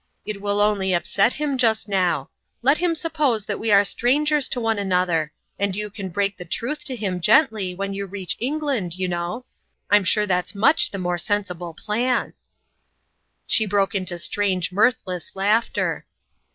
It will only upset him just now. Let him sup pose that we are strangers to one another ; and in lis 0tn (ftoin. 161 you can break the truth to him gently when you reach England, you know. I'm sure that's much the more sensible plan !" She broke into strange mirthless laughter.